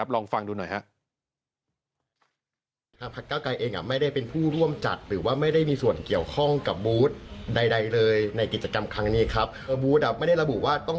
ลองฟังดูหน่อยครับ